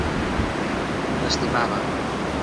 L'estimava.